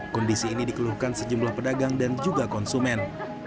kondisi ini dikeluhkan sejumlah pedagang dan juga konsumen